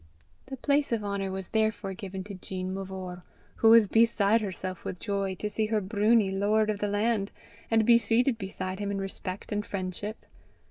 The place of honour was therefore given to Jean Mavor, who was beside herself with joy to see her broonie lord of the land, and be seated beside him in respect and friendship.